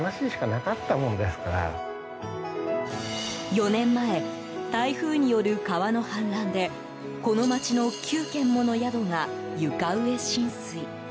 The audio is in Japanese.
４年前台風による川の氾濫でこの街の９軒もの宿が床上浸水。